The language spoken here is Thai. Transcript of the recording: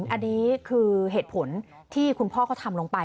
อันนี้คือเหตุผลที่คุณพ่อเขาทำลงไป